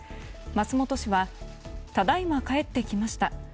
松本氏はただいま帰ってきました